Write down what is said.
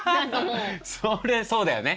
それそうだよね。